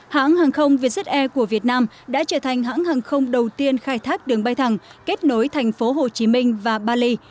hãng hàng không vietjet air của việt nam đã trở thành hãng hàng không đầu tiên khai thác đường bay thẳng kết nối thành phố hồ chí minh và bali